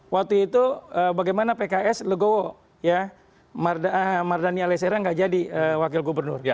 waktu itu bagaimana pks legowo ya mardani alisera nggak jadi wakil gubernur